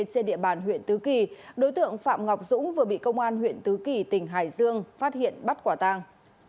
trên địa bàn huyện tứ kỳ đối tượng phạm ngọc dũng vừa bị công an huyện tứ kỳ tỉnh hải dương phát hiện bắt quả tang